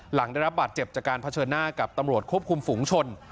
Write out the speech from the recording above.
หลังได้รับบาดเจ็บจากการเผชิญหน้ากับตำรวจควบคุมฝุงชน